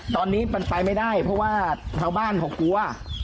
ตอนนี้มันไปไม่ได้เพราะว่าชาวบ้านเขากลัว